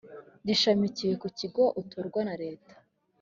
gishamikiye ku kigo utorwa na leta